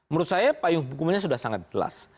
menurut saya payung hukumnya sudah sangat jelas